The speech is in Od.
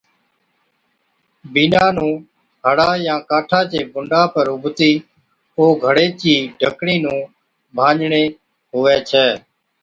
بِينڏا نُون ھڙا يان ڪاٺا چي بُنڊا پر اُڀتِي او گھڙي چِي ڍڪڻِي نُون ڀاڃڙي ھُوي ڇَي